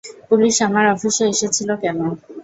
Police আমার অফিসে এসেছিল কেন?